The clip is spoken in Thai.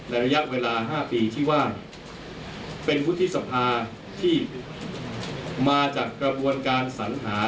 ระยะเวลา๕ปีที่ว่าเป็นวุฒิสภาที่มาจากกระบวนการสัญหา